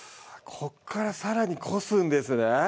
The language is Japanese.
ここからさらにこすんですね